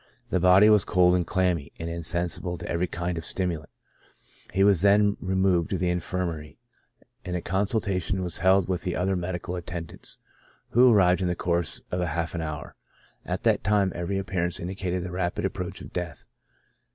The body was cold and clam my, and insensible to every kind of stimulant. He was ALCOHOL IN HEALTH. I5 then removed to the infirmary, and a consultation was held with the other medical attendants, who arrived in the course of half an hour. At that time, every appearance indicated the rapid approach of death.